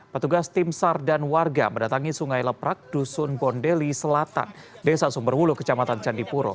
petugas tim sar dan warga mendatangi sungai leprak dusun bondeli selatan desa sumberwulu kecamatan candipuro